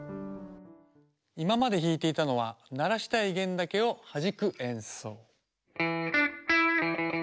今まで弾いていたのは鳴らしたい弦だけをはじく演奏。